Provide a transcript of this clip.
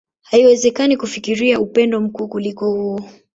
Haiwezekani kufikiria upendo mkuu kuliko huo.